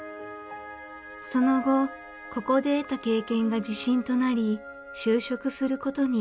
その後ここで得た経験が自信となり就職することに。